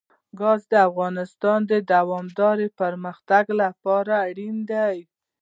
ګاز د افغانستان د دوامداره پرمختګ لپاره اړین دي.